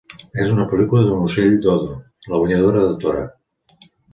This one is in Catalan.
És una pel·lícula d'un ocell-dodo, la guanyadora de "Tora!